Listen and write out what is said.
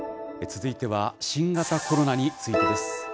続いては新型コロナについてです。